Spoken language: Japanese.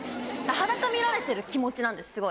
裸見られてる気持ちなんですすごい。